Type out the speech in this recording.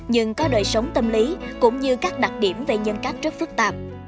nhưng có đời sống tâm lý cũng như các đặc điểm về nhân cách rất phức tạp